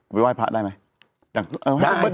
ไปว่ายพระได้ไหม